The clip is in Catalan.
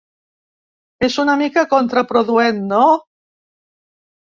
És una mica contraproduent, no?